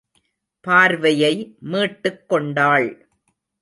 பார்வையை மீட்டுக் கொண்டாள்.